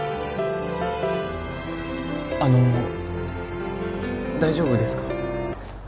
あの大丈夫ですか？